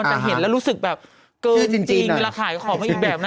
มันจะเห็นแล้วรู้สึกแบบเกินจริงจริงเวลาขายของให้อีกแบบน่ะ